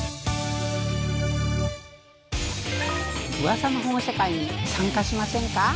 「ウワサの保護者会」に参加しませんか？